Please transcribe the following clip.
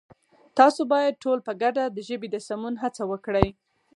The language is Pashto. تاسو بايد ټول په گډه د ژبې د سمون هڅه وکړئ!